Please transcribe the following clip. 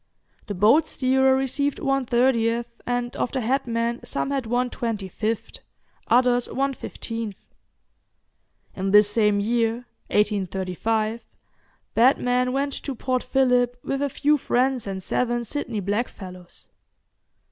The boat steerer received one thirtieth, and of the headmen some had one twenty fifth, others one fifteenth. In this same year, 1835, Batman went to Port Phillip with a few friends and seven Sydney blackfellows.